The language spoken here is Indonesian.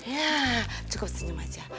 ya cukup senyum aja